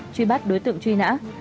truy bắt đối tượng truy nã